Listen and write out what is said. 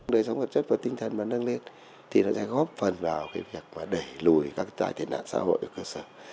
để sống vật chất và tinh thần mà nâng lên thì nó sẽ góp phần vào việc đẩy lùi các tài thiện nạn xã hội ở cơ sở